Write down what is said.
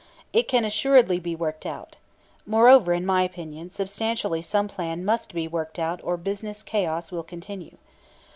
It can assuredly be worked out. Moreover, in my opinion, substantially some such plan must be worked out or business chaos will continue.